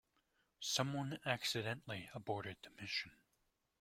Someone accidentally aborted the mission.